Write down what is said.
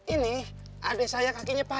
ini adek saya kakinya patah